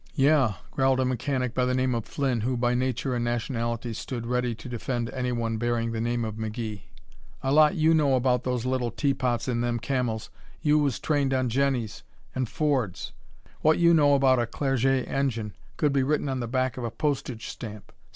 "Yeah," growled a mechanic by the name of Flynn, who by nature and nationality stood ready to defend anyone bearing the name of McGee, "a lot you know about those little teapots in them Camels. You was trained on Jennies and and Fords! What you know about a Clerget engine could be written on the back of a postage stamp.